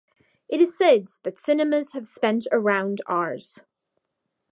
It is said that Cinemas has spent around Rs.